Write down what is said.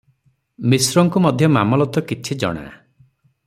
ମିଶ୍ରଙ୍କୁ ମଧ୍ୟ ମାମଲତ କିଛି ଜଣା ।